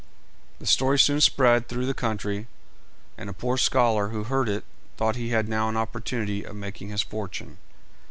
The story soon spread through the country, and a poor scholar who heard it thought he had now an opportunity of making his fortune.